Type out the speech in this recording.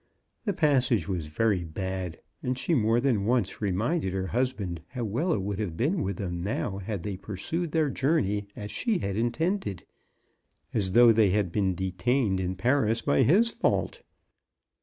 The pas sage was very bad, and she more than once reminded her husband how well it would have been with them now had they pursued their journey as she had intended — as though they had been detained in Paris by his fault